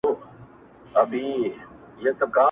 ستا له خیبر سره ټکراو ستا حماقت ګڼمه,